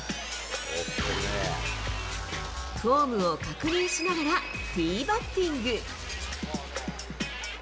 フォームを確認しながらティーバッティング。